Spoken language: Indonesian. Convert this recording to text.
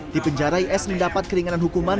di penjara is mendapat keringanan hukuman